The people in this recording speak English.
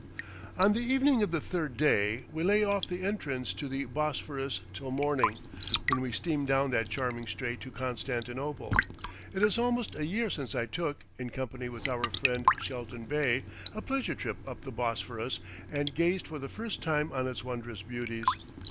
On the evening of the third day we lay off the entrance to the Bosphorus till morning, when we steam down that charming strait to Constantinople. It is almost a year since I took, in company with our friend Shelton Bey, a pleasure trip up the Bosphorus and gazed for the first time on its wondrous beauties.